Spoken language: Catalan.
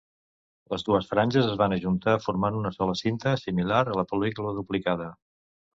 Les dues franges es van ajuntar formant una sola cinta similar a la pel·lícula duplicada.